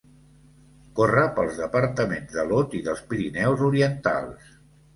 Corre pels departaments de l'Aude i dels Pirineus Orientals.